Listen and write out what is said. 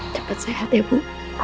dapat sehat ya bu